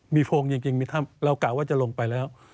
มีโฟงจริงมีถ้ำเรากะว่าจะลงไปแล้ว